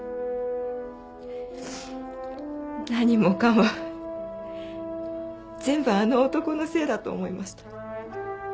何もかも全部あの男のせいだと思いました。